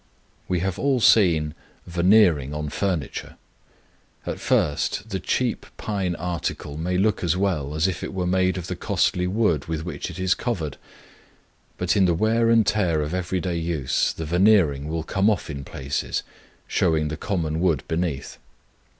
We have all seen veneering on furniture. At first the cheap pine article may look as well as if it were made of the costly wood with which it is covered; but in the wear and tear of every day use the veneering will come off in places, showing the common wood beneath.